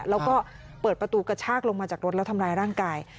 แล้วก็เปิดประตูกระชากลงมาจากรถแล้วทำร้ายร่างกาย